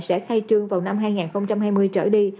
sẽ khai trương vào năm hai nghìn hai mươi trở đi